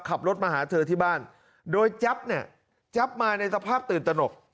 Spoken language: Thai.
ขับรถมาหาเธอที่บ้านโดยแจ๊บเนี่ยแจ๊บมาในสภาพตื่นตนก